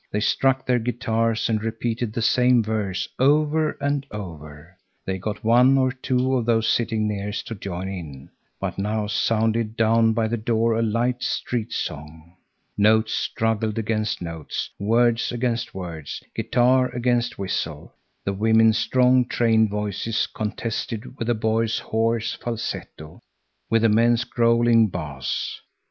They struck their guitars and repeated the same verse over and over. They got one or two of those sitting nearest to join in, but now sounded down by the door a light street song. Notes struggled against notes, words against words, guitar against whistle. The women's strong, trained voices contested with the boys' hoarse falsetto, with the men's growling bass.